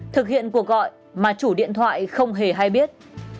thực hiện cuộc gọi mà chủ điện thoại không hề hay biết